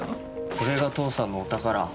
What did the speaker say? これが父さんのお宝。